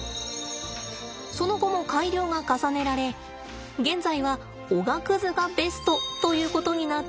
その後も改良が重ねられ現在はおがくずがベストということになっています。